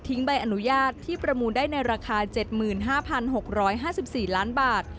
ใบอนุญาตที่ประมูลได้ในราคา๗๕๖๕๔ล้านบาท